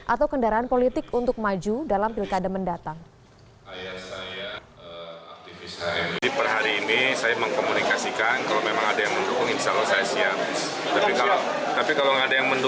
atau kendaraan politik untuk maju dalam pilkada mendatang